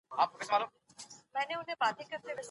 د ماشینونو ترمیم څوک کوي؟